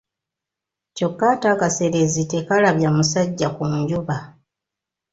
Kyokka ate akaseerezi tekalabya musajja ku njuba.